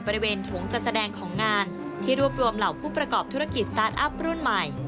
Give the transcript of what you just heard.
บริเวณถงจัดแสดงของงานที่รวบรวมเหล่าผู้ประกอบธุรกิจสตาร์ทอัพรุ่นใหม่